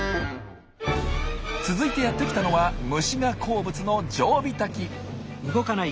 続いてやって来たのは虫が好物のジョウビタキ。